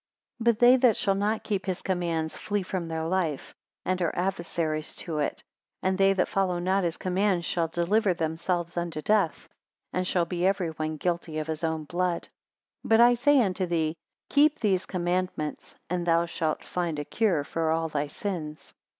13 But they that shall not keep his commands, flee from their life, and are adversaries to it. And they that follow not his commands, shall deliver themselves unto death; and shall be every one guilty of his own blood. 14 But I say unto thee, keep these commandments, and thou shalt find a cure for all thy sins.